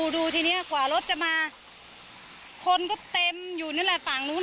ดูทีนี้กว่ารถจะมาคนก็เต็มอยู่นั่นแหละฝั่งนู้น